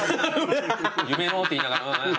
夢のって言いながら。